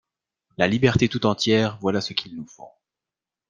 La liberté tout entière, voilà ce qu'il nous faut!